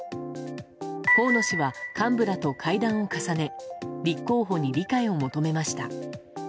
河野氏は幹部らと会談を重ね立候補に理解を求めました。